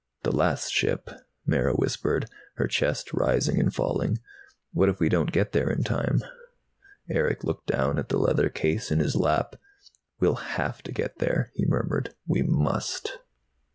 "The last ship," Mara whispered, her chest rising and falling. "What if we don't get there in time?" Erick looked down at the leather case in his lap. "We'll have to get there," he murmured. "We must!"